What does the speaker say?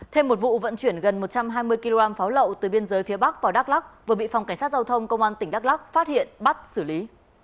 thêm một vụ vận chuyển gần một trăm hai mươi kg pháo lậu từ biên giới phía bắc vào đắk lắc vừa bị phòng cảnh sát giao thông công an tỉnh đắk lắc phát hiện bắt xử lý